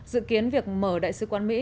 dự kiến việc mở đại sứ quán mỹ